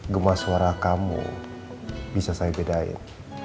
gemas suara kamu bisa saya bedain